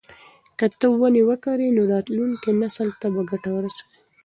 که ته ونې وکرې نو راتلونکي نسل ته به ګټه ورسوي.